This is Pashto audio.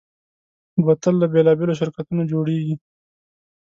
بوتل له بېلابېلو شرکتونو جوړېږي.